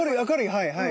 はいはい。